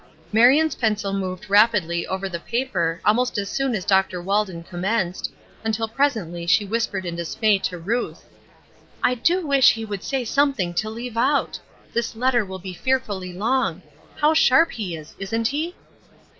Marion's pencil moved rapidly over the paper almost as soon as Dr. Walden commenced, until presently she whispered in dismay to Ruth: "I do wish he would say something to leave out! This letter will be fearfully long. How sharp he is, isn't he?"